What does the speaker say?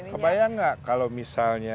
kebayang gak kalau misalnya